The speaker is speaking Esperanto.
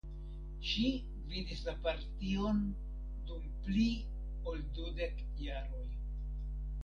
Ŝi gvidis la partion dum pli ol dudek jaroj.